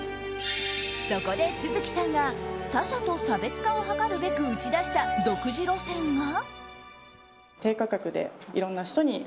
そこで續さんが他社と差別化を図るべく打ち出した独自路線が。